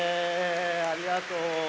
ありがとう。